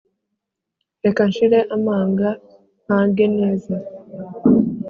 reka nshire amanga mpange neza,